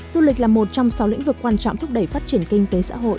du lịch là một trong sáu lĩnh vực quan trọng thúc đẩy phát triển kinh tế xã hội